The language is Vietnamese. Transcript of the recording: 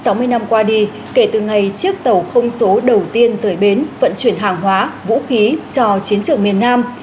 trong sáu mươi năm qua đi kể từ ngày chiếc tàu không số đầu tiên rời bến vận chuyển hàng hóa vũ khí cho chiến trường miền nam